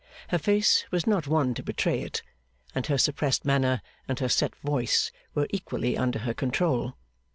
Her face was not one to betray it; and her suppressed manner, and her set voice, were equally under her control.